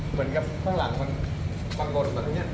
เหมือนกับข้างหลังมันมันหล่นแบบนี้